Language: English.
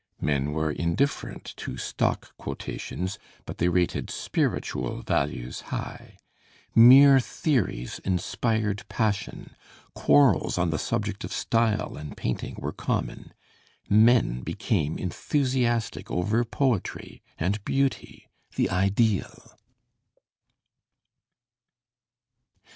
Men were indifferent to stock quotations, but they rated spiritual values high. Mere theories inspired passion; quarrels on the subject of style and painting were common; men became enthusiastic over poetry and beauty the ideal!